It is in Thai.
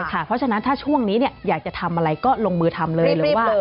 เพราะฉะนั้นถ้าช่วงนี้เนี่ยอยากจะทำอะไรก็ลงมือทำแล้ว